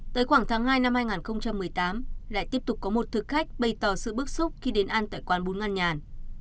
tới khoảng tháng hai năm hai nghìn một mươi tám lại tiếp tục có một thực khách bày tỏ sự bức xúc khi đến ăn tại quán bún ngăn